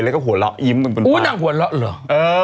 แล้วก็หัวเหล้าอิ้มขนบนฟ้าอู้นั่งหัวเหล้าเหรอเอออ๋อ